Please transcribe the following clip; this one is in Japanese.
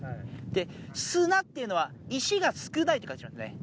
で、砂っていうのは石が少ないって書きますよね。